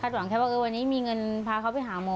หวังแค่ว่าวันนี้มีเงินพาเขาไปหาหมอ